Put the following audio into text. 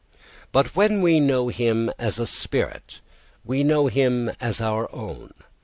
But when we know him as a spirit we know him as our own.